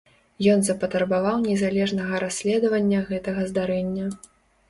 Ён запатрабаваў незалежнага расследавання гэтага здарэння.